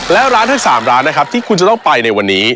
และร้านในสามร้านที่คุณต้องไปในวันนี้